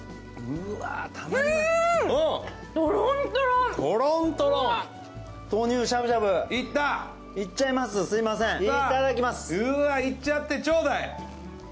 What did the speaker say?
うわいっちゃってちょうだい！